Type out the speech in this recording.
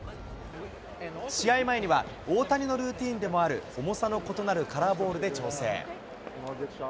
試合前には、大谷のルーティーンである重さの異なるカラーボールで調整。